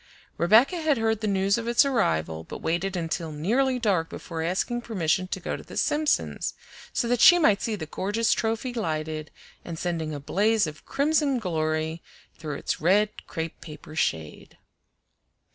Rebecca had heard the news of its arrival, but waited until nearly dark before asking permission to go to the Simpsons', so that she might see the gorgeous trophy lighted and sending a blaze of crimson glory through its red crepe paper shade.